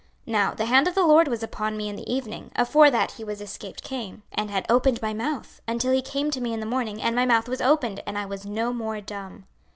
26:033:022 Now the hand of the LORD was upon me in the evening, afore he that was escaped came; and had opened my mouth, until he came to me in the morning; and my mouth was opened, and I was no more dumb.